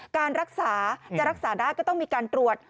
การรักษาจะรักษาได้ก็ต้องมีการตรวจ